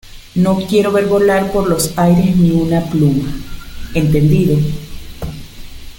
no quiero ver volar por los aires ni una pluma, ¿ entendido?